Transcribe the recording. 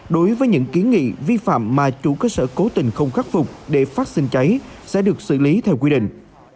đối với những kiến nghị vi phạm mà chủ cơ sở cố tình không khắc phục để phát sinh cháy sẽ được xử lý theo quy định